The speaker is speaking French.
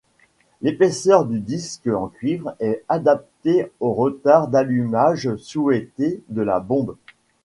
L'épaisseur du disque en cuivre est adaptée au retard d'allumage souhaité de la bombe.